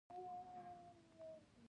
دوی په قدیمو زمانو کې راکوچېدلي دي.